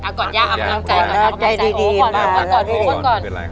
งอดใจเนี่ย